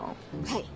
はい。